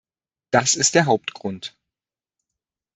Das ist der Hauptgrund.